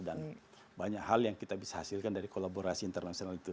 dan banyak hal yang kita bisa hasilkan dari kolaborasi internasional itu